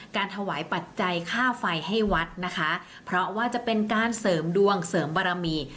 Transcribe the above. การถวายปัจจัยค่าไฟให้วัดนะคะเพราะว่าจะเป็นการเสริมดวงเสริมบารมี